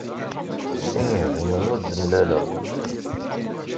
Sin yehdumen ur-d amellaɣ.